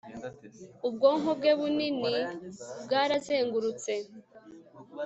ubwonko bwe bunini bwarazengurutse